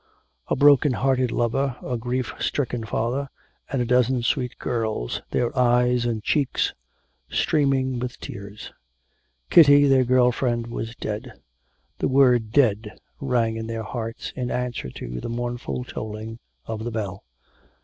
A broken hearted lover, a grief stricken father, and a dozen sweet girls, their eyes and cheeks streaming with tears. Kitty, their girl friend, was dead. The word 'dead' rang in their hearts in answer to the mournful tolling of the bell.